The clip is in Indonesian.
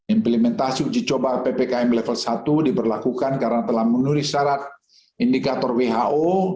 implementasi uji coba ppkm level satu diberlakukan karena telah menulis syarat indikator who